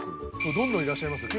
どんどんいらっしゃいますね。